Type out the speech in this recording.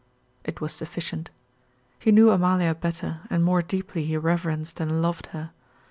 It was sufficient. He knew Amalia better, and more deeply he reverenced and loved her.